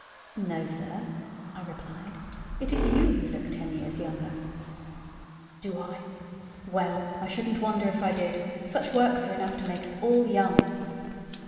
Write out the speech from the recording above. "No, sir," I replied, "It is you who look ten years younger." "Do I? well, I should'nt wonder if I did; such works are enough to make us all young."